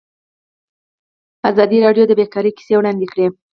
ازادي راډیو د بیکاري کیسې وړاندې کړي.